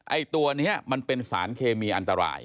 ไอ้ตัวนี้มันเป็นสารเคมีอันตราย